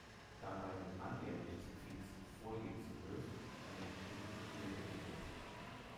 Dabei wird alljährlich zu Pfingsten vor jedes Gehöft eine geschnittene Birke gesetzt.